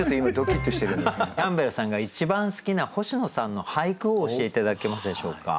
キャンベルさんが一番好きな星野さんの俳句を教えて頂けますでしょうか。